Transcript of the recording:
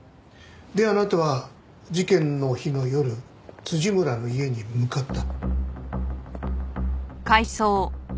であなたは事件の日の夜村の家に向かった。